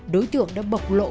đối tượng đã bộc lộ